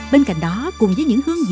bên cạnh đó cùng với những hướng dẫn